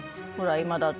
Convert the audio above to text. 今だって。